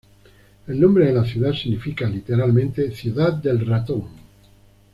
El nombre de la ciudad significa literalmente "ciudad del ratón.